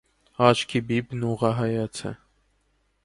Աչքի բիբն ուղղահայաց է։